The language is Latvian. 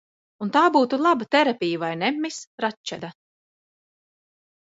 Un tā būtu laba terapija, vai ne, Miss Ratčeda?